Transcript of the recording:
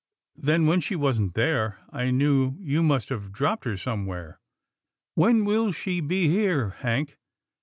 Then when she wasn't there, I knew you must have dropped her somewhere. When will she be here. Hank?